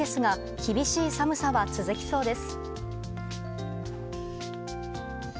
厳しい寒さは続きそうです。